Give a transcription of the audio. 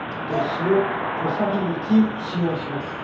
塩小さじ１使用します。